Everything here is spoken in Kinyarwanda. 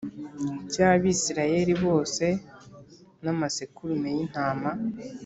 cy Abisirayeli bose n amasekurume y intama